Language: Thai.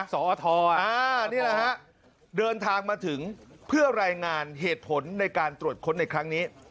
นี่แหละฮะเดินทางมาถึงเพื่อรายงานเหตุผลในการตรวจค้นในครั้งนี้